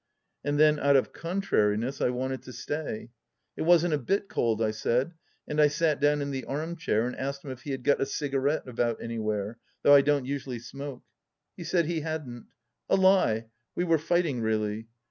And then out of contrariness I wanted to stay. It wasn't a bit cold, I said, and I sat down in the arm chair and asked him if he had got a cigarette about anywhere, though I don't usually smoke. He said he hadn't. A lie ! We were fight ing, really.